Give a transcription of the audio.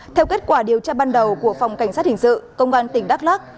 theo kết quả điều tra ban đầu của phòng cảnh sát hình sự công an tỉnh đắk lắc